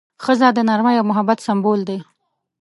ښځه د نرمۍ او محبت سمبول ده.